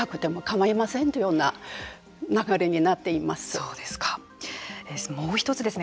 そうですね。